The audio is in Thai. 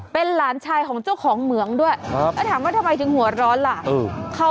เป็นหลานชายของเจ้าของเหมืองด้วยแล้วถามว่าทำไมถึงหัวร้อนล่ะ